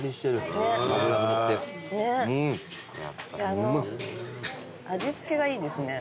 あのう味付けがいいですね。